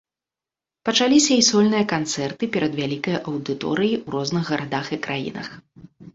Пачаліся і сольныя канцэрты перад вялікай аўдыторыяй у розных гарадах і краінах.